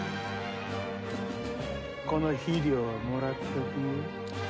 この肥料はもらっとくよ。